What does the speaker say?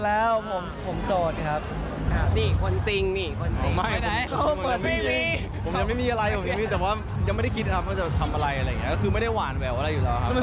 แล้วก็หน้าตาหวานด้วย